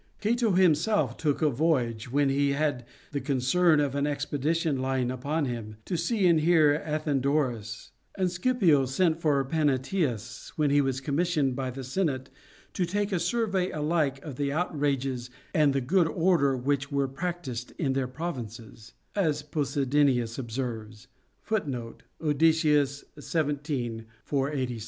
Cato himself took a voyage, when he had the concern of an expedition lying upon him, to see and hear Athe nodorus ; and Scipio sent for Panaetius, when he was commissioned by the senate " to take a survey alike of the outrages and the good order which were practised in their provinces," * as Posidonius observes.